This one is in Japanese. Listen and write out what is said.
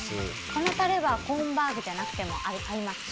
このタレはコーンバーグじゃなくても合いますか？